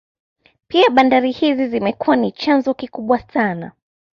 Pia bandari hizi zimekuwa ni chanzo kikubwa sana